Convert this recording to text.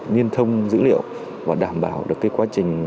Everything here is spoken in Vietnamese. liên thông dữ liệu và đảm bảo được cái quá trình